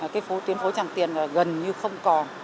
cái tuyến phố tràng tiền gần như không còn